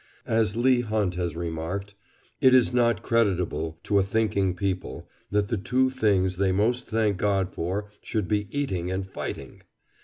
As Leigh Hunt has remarked: "It is not creditable to a thinking people that the two things they most thank God for should be eating and fighting.